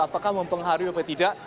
apakah mempengaruhi atau tidak